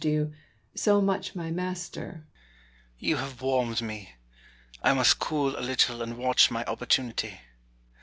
You have warmed me : I must cool a little and watch my opportunity.